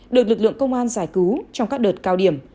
được lực lượng công an giải cứu trong các đợt cao điểm